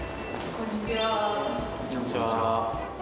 こんにちは。